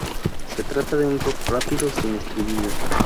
Se trata de un rock rápido sin estribillo.